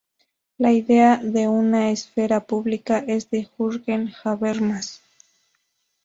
La idea de una esfera pública es de Jurgen Habermas.